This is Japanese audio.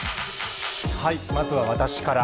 はい、まずは私から。